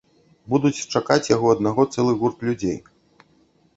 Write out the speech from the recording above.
Будуць чакаць яго аднаго цэлы гурт людзей.